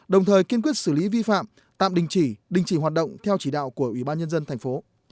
đồng thời kiên quyết xử lý vi phạm tạm đình chỉ đình chỉ hoạt động theo chỉ đạo của ubnd tp